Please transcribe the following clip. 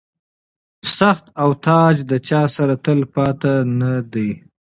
تخت او تاج د چا سره تل پاتې نه دی.